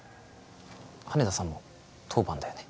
羽田さんも当番だよね